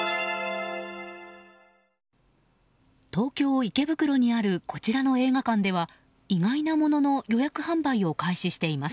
東京・池袋にあるこちらの映画館では意外なものの予約販売を開始しています。